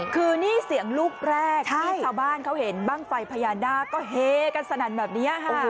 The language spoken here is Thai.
คือนี่เสียงลูกแรกที่ชาวบ้านเขาเห็นบ้างไฟพญานาคก็เฮกันสนั่นแบบนี้ค่ะ